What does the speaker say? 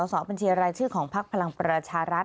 สอบบัญชีอะไรชื่อของภาคพลังประชารัฐ